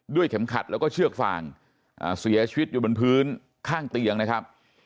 เข็มขัดแล้วก็เชือกฟางเสียชีวิตอยู่บนพื้นข้างเตียงนะครับ